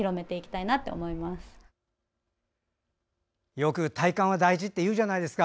よく体幹は大事っていうじゃないですか。